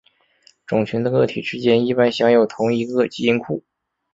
种群的个体之间一般享有同一个基因库。